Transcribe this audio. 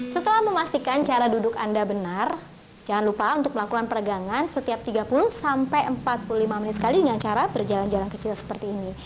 setelah memastikan cara duduk anda benar jangan lupa untuk melakukan peregangan setiap tiga puluh sampai empat puluh lima menit sekali dengan cara berjalan jalan kecil seperti ini